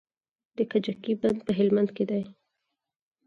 د کجکي بند په هلمند کې دی